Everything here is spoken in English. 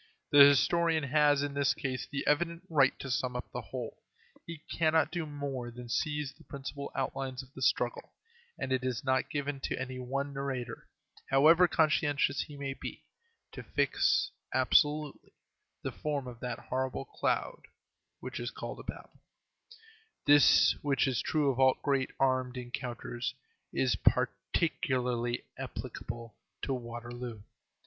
The historian has, in this case, the evident right to sum up the whole. He cannot do more than seize the principal outlines of the struggle, and it is not given to any one narrator, however conscientious he may be, to fix, absolutely, the form of that horrible cloud which is called a battle. This, which is true of all great armed encounters, is particularly applicable to Waterloo.